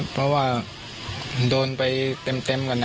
เพราะว่าโดนไปเต็มเต็มไอ้เง๒๐๐๔